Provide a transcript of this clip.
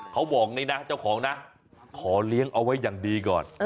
เขาบอกอย่างนี้นะเจ้าของนะขอเลี้ยงเอาไว้อย่างดีก่อน